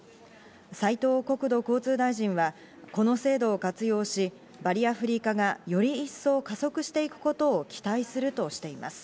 斉藤国土交通大臣は、この制度を活用し、バリアフリー化がより一層加速していくことを期待するとしています。